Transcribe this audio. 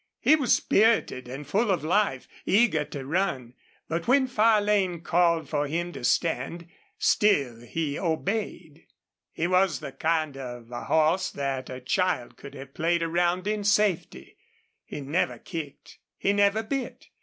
He was spirited and full of life, eager to run, but when Farlane called for him to stand still he obeyed. He was the kind of a horse that a child could have played around in safety. He never kicked. He never bit.